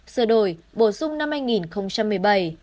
sửa đổi bổ sung năm hai nghìn một mươi bảy